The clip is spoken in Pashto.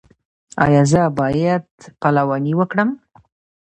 ایا زه باید پلوانی وکړم؟